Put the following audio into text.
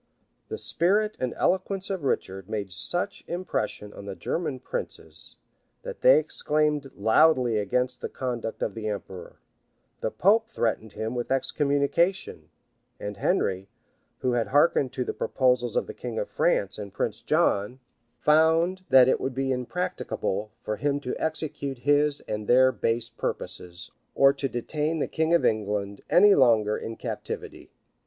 The spirit and eloquence of Richard made such impression on the German princes, that they exclaimed loudly against the conduct of the emperor; the pope threatened him with excommunication; and Henry, who had hearkened to the proposals of the king of France and Prince John, found that it would be impracticable for him to execute his and their base purposes, or to detain the king of England any longer in captivity.